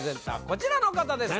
こちらの方です